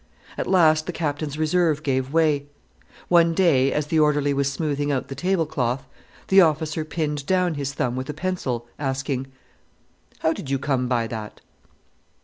At last the Captain's reserve gave way. One day, as the orderly was smoothing out the tablecloth, the officer pinned down his thumb with a pencil, asking, "How did you come by that?"